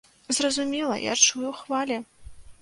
Зразумела, я чую хвалі.